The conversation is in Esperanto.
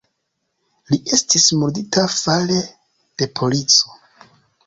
Li estis murdita fare de polico.